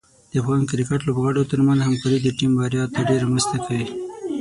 د افغان کرکټ لوبغاړو ترمنځ همکاري د ټیم بریا ته ډېره مرسته کوي.